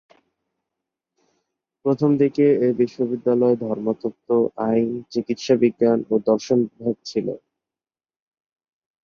প্রথমদিকে এ বিশ্ববিদ্যালয়ে ধর্মতত্ত্ব, আইন, চিকিৎসাবিজ্ঞান ও দর্শন বিভাগ ছিল।